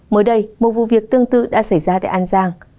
mới đây một vụ việc tương tự đã xảy ra tại an giang